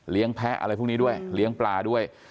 แพ้อะไรพวกนี้ด้วยเลี้ยงปลาด้วย